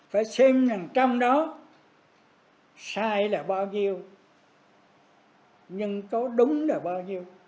phải xem rằng trong đó sai là bao nhiêu nhưng có đúng là bao nhiêu